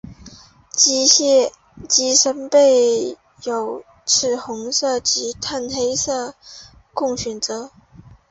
机身备有赤红色及碳黑色供选择。